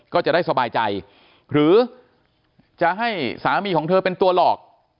ก็จะได้สบายใจหรือจะให้สามีของเธอเป็นตัวหลอก